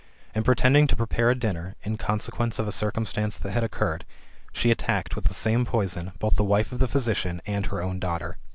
And preten ding to prepare a dinner, in consequence of a circumstance that had occurred, she attacked, with the same poison, both the wife of the physician and her own daughter.